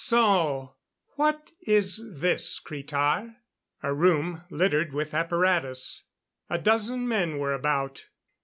"So? What is this, Cretar?" A room littered with apparatus. A dozen men were about.